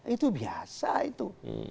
itu biasa itu